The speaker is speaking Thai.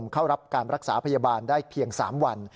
เข้ารับการรักษาพยาบาลได้เพียง๓วัน